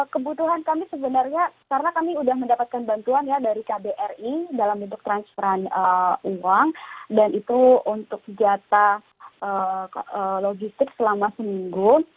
kebutuhan kami sebenarnya karena kami sudah mendapatkan bantuan ya dari kbri dalam bentuk transferan uang dan itu untuk jatah logistik selama seminggu